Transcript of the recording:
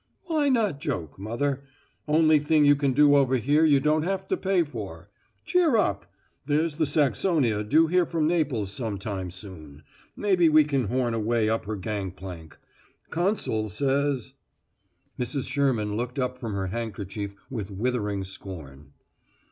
"Why not joke, mother? Only thing you can do over here you don't have to pay for. Cheer up! There's the Saxonia due here from Naples some time soon. Maybe we can horn a way up her gangplank. Consul says " Mrs. Sherman looked up from her handkerchief with withering scorn.